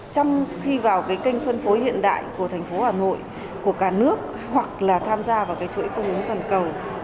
trong khi vào cái kênh phân phối hiện đại của thành phố hà nội của cả nước hoặc là tham gia vào cái chuỗi cung ứng toàn cầu